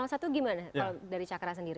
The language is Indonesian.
kalau dari cakra sendiri